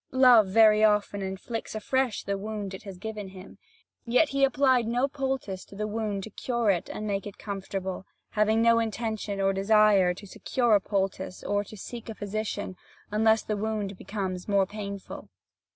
Love very often inflicts afresh the wound it has given him. Yet, he applied no poultice to the wound to cure it and make it comfortable, having no intention or desire to secure a poultice or to seek a physician, unless the wound becomes more painful.